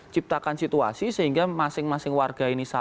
ciptakan situasi sehingga masing masing warga ini saling berpikir